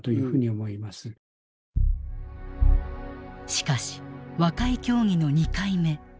しかし和解協議の２回目。